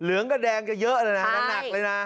เหลืองกับแดงจะเยอะเลยนะแล้วหนักเลยนะ